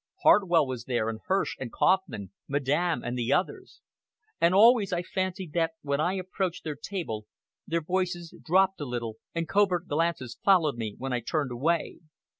Hartwell was there, and Hirsch, and Kauffman, Madame and the others. And always I fancied that when I approached their table their voices dropped a little, and covert glances followed me when I turned away.